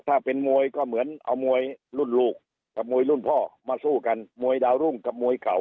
ถ้าเป็นมวยก็เหมือนเอามวยรุ่นลูกกับมวยรุ่นพ่อมาสู้กันมวยดาวรุ่งกับมวยเก่า